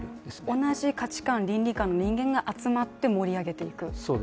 同じ価値観、倫理観の人間が集まって盛り上げていく？